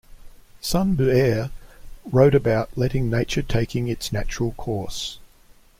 Sun Bu'er wrote about letting nature taking its natural course.